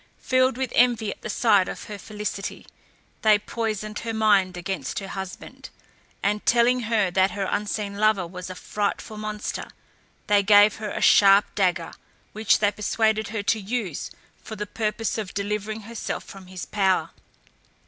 Filled with envy at the sight of her felicity, they poisoned her mind against her husband, and telling her that her unseen lover was a frightful monster, they gave her a sharp dagger, which they persuaded her to use for the purpose of delivering herself from his power.